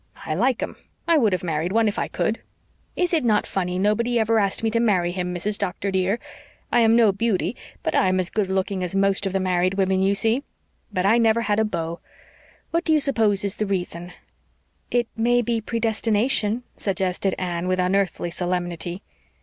I like 'em. I would have married one if I could. Is it not funny nobody ever asked me to marry him, Mrs. Doctor, dear? I am no beauty, but I am as good looking as most of the married women you see. But I never had a beau. What do you suppose is the reason?" "It may be predestination," suggested Anne, with unearthly solemnity.